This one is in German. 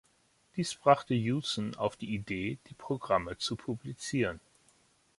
Dies brachte Hewson auf die Idee, die Programme zu publizieren.